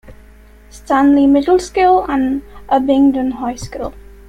Stanley Middle School, and Abingdon High School.